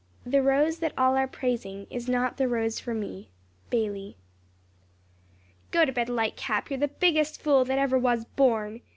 "The rose that all are praising Is not the rose for me." BAYLIE. "GOTOBED LIGHTCAP, you're the biggest fool that ever was born!"